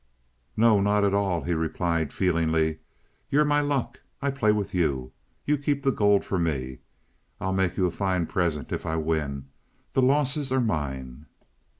"No, not at all," he replied, feelingly. "You're my luck. I play with you. You keep the gold for me. I'll make you a fine present if I win. The losses are mine."